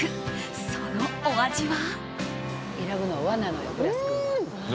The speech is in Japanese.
そのお味は。